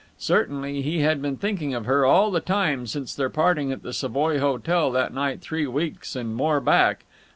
Certainly he had been thinking of her all the time since their parting at the Savoy Hotel that night three weeks and more back....